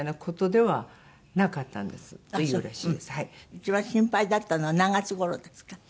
一番心配だったのは何月頃ですか？